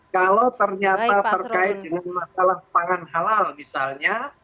kalau ternyata terkait dengan masalah pangan halal misalnya